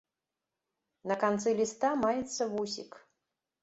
На канцы ліста маецца вусік.